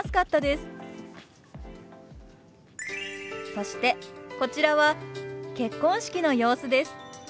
そしてこちらは結婚式の様子です。